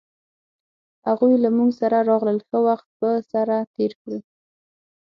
هغوی له مونږ سره راغلل ښه وخت به سره تیر کړو